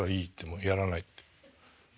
「もうやらない」って。